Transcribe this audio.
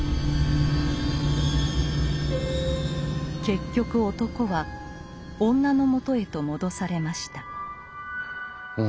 結局男は女の元へと戻されました。